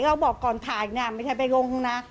เราบอกก่อนถ่ายไม่ใช่ไปรงนะ